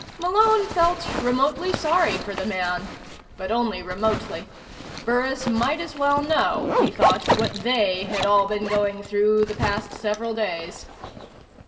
Malone felt remotely sorry for the man but only remotely. Burris might as well know, he thought, what they had all been going through the past several days.